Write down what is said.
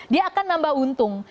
dia akan nambah untung